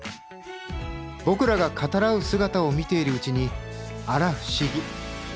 僕らが語らう姿を見ているうちにあら不思議。